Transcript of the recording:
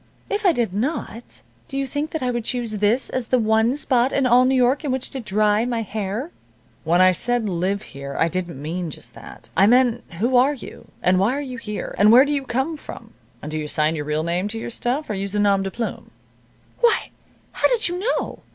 "If I did not, do you think that I would choose this as the one spot in all New York in which to dry my hair?" "When I said, 'Live here,' I didn't mean just that. I meant who are you, and why are you here, and where do you come from, and do you sign your real name to your stuff, or use a nom de plume?" "Why how did you know?"